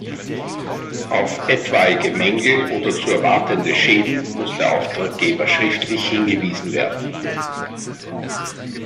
Auf etwaige Mängel oder zu erwartende Schäden muss der Auftraggeber schriftlich hingewiesen werden.